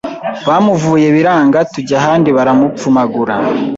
Bamuvuye biranga tujy ahandi baramupfumagura